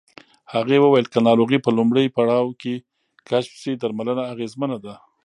هغې وویل که ناروغي په لومړي پړاو کې کشف شي، درملنه اغېزمنه ده.